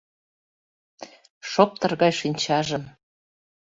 Шоптыр гай шинчажым